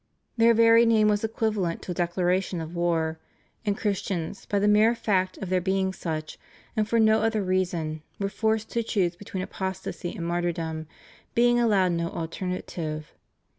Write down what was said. Their very name was equivalent to a declaration of war; and Christians, by the mere fact of their being such, and for no other reason, were forced to choose between apostasy and martyrdom, being allowed no alternative.